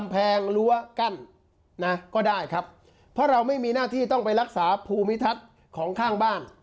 เพราะเราไม่มีหน้าที่ต้องไปรักษาภูมิทัศน์ของข้างบ้าน